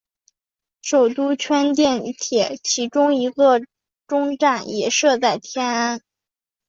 首都圈电铁其中一个终站也设在天安。